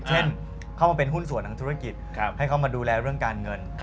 เข้ามาเป็นหุ้นส่วนทางธุรกิจให้เขามาดูแลเรื่องการเงิน